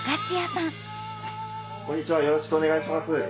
よろしくお願いします。